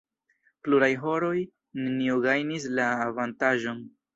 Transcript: Plurajn horojn neniu gajnis la avantaĝon.